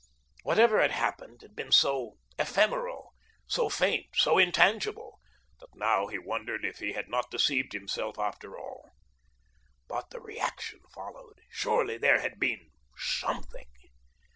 Whatever had happened had been so ephemeral, so faint, so intangible, that now he wondered if he had not deceived himself, after all. But the reaction followed. Surely, there had been Something.